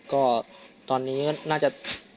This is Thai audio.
ก็ตอนนี้ก็น่าจะ